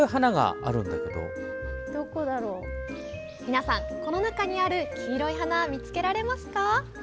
皆さん、この中にある黄色い花、見つけられますか？